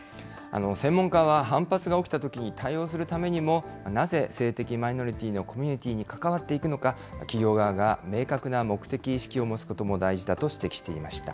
専門家は、反発が起きたときに対応するためにも、なぜ性的マイノリティーのコミュニティに関わっていくのか、企業側が明確な目的意識を持つことも大事だと指摘していました。